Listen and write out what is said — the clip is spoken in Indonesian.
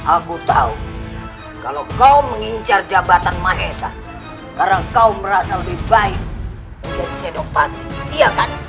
aku tahu kalau kau mengincar jabatan mahesa karena kau merasa lebih baik menjadi sedopati iya kan